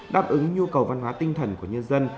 đáp ứng nhu cầu văn hóa tinh thần của nhân dân